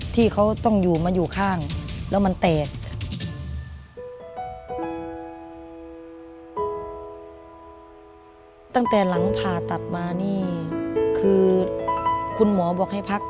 ตั้งแต่หลังผ่าตัดมาคือคุณหมอบอกให้พัก